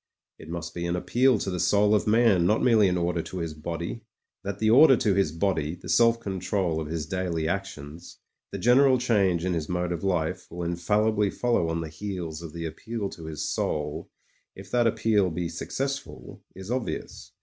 It must be an appeal to the soul of man, not merely an order to his body. That the order to his body, the self control of his daily actions, the gen eral change in his mode of life will infallibly follow on the heels of the appeal to his soul — if that appeal be successful — ^is obvious.